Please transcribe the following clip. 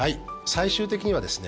最終的にはですね